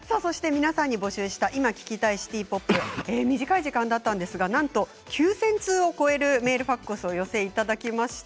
皆さんに募集した今、聴きたいシティ・ポップ短い時間だったんですがなんと９０００通を超えるメール、ファックスをお寄せいただきました。